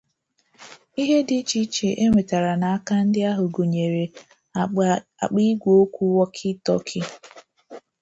Ihe dị icheiche e nwetere n'aka ndị ahụ gụnyere àkpà igwe okwu 'walkie-talkie'